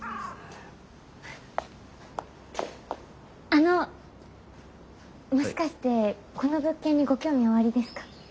あのもしかしてこの物件にご興味おありですか？